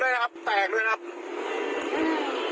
ดูหน้านะครับดูหน้าหนีแล้วนะครับหนีแล้ว